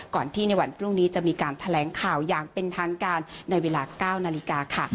ก่อนที่ในวันพรุ่งนี้จะมีการแถลงข่าวอย่างเป็นทางการในเวลา๙นาฬิกาค่ะ